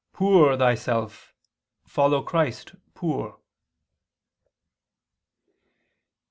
"Poor thyself, follow Christ poor."